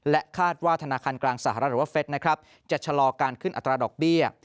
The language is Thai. คาดว่าธนาคารกลางสหรัฐหรือว่าเฟสนะครับจะชะลอการขึ้นอัตราดอกเบี้ย